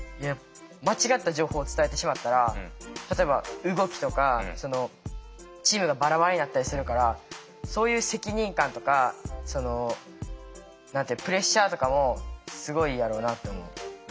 間違った情報を伝えてしまったら例えば動きとかチームがバラバラになったりするからそういう責任感とかプレッシャーとかもすごいやろなと思う。